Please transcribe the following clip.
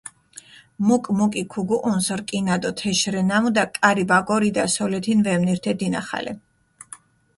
მუკ-მუკი ქუგუჸუნს რკინა დო თეშ რე ნამუდა, კარი ვაგორიდა სოლეთინ ვემნირთე დინახალე.